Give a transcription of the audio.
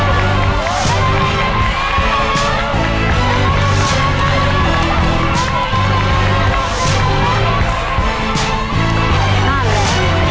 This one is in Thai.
รับด้วยเลยลูกเดี๋ยวด้วยนั่นจะได้